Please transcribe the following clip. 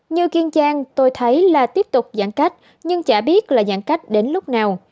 như kiên giang tôi thấy là tiếp tục giãn cách nhưng chả biết là giãn cách đến lúc nào